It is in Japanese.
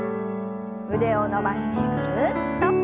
腕を伸ばしてぐるっと。